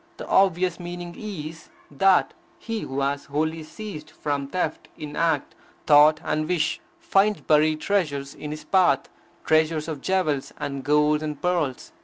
The obvious meaning is, that he who has wholly ceased from theft, in act, thought and wish, finds buried treasures in his path, treasures of jewels and gold and pearls.